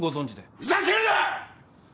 ふざけるな！